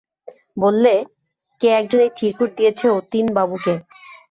বললে, কে একজন এই চিরকুট দিয়েছে অতীনবাবুকে।